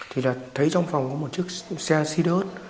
thì là thấy trong phòng có một chiếc xe xí đớt